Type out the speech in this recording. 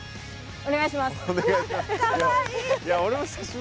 お願いします。